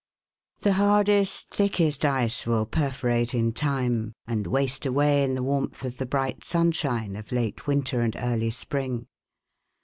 The hardest, thickest ice will perforate in lime, and waste away in the warmth of the bright sunshine of late winter and early spring.